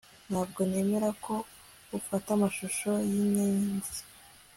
Ntabwo nemera ko ufata amashusho yinyenzi